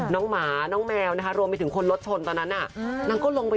น้องหมาน้องแมวรวมไปถึงคนรถชนตอนนั้นน่ะ